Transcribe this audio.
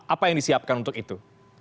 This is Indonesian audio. apa yang disiapkan untuk itu